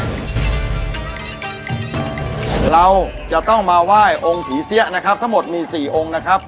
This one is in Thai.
เราจะต้องมาไหว้องค์ผีเสี้ยนะครับทั้งหมดมี๔องค์นะครับ